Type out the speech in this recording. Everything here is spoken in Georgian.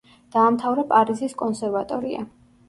დაამთავრა პარიზის კონსერვატორია.